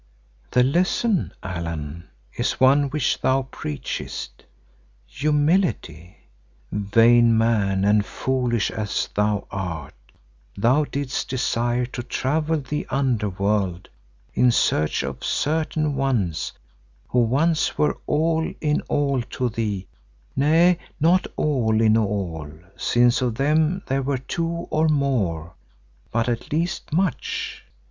"The Lesson, Allan, is one which thou preachest—humility. Vain man and foolish as thou art, thou didst desire to travel the Underworld in search of certain ones who once were all in all to thee—nay, not all in all since of them there were two or more—but at least much.